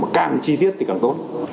mà càng chi tiết thì càng tốt